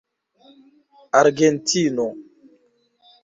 argentino